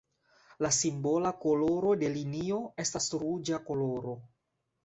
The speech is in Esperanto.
La simbola koloro de linio estas ruĝa koloro.